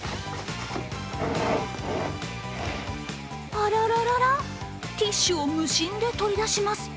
あららららティッシュを無心で取り出します。